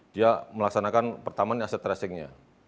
dia melaksanakan pertama ini aset tracingnya